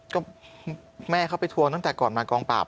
ก็แม่เขาไปทวงตั้งแต่ก่อนมากองปราบ